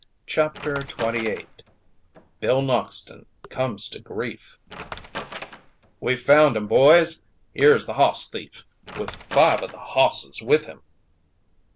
CHAPTER XXVIII BILL NOXTON COMES TO GRIEF "We've found him, boys! Here's the hoss thief, with five o' the hosses with him!"